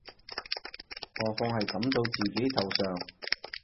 何況係揼到自己頭上